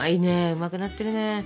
うまくなってるね。